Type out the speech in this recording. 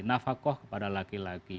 navakoh kepada laki laki